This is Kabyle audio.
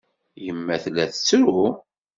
Yemma tella tettru.